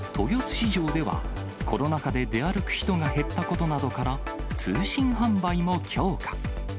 市場では、コロナ禍で出歩く人が減ったことなどから、通信販売も強化。